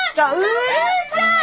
うるさい！